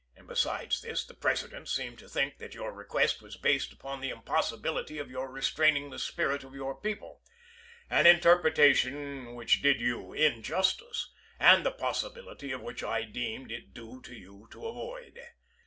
Besides this, the President seemed to think that your request was based upon the impossibility of your restraining the spirit of our people ; an interpre tation which did you injustice, and the possibility of which I deemed it due to you to avoid.